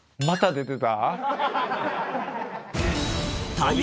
また出てた？